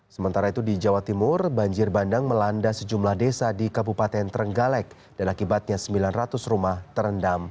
sementara itu di jawa timur banjir bandang melanda sejumlah desa di kabupaten trenggalek dan akibatnya sembilan ratus rumah terendam